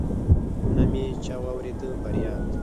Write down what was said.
نه مي چا واوريد فرياد